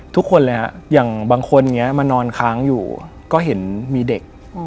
ทุกคนเลยฮะอย่างบางคนมานอนค้างอยู่ก็เห็นมีเด็ก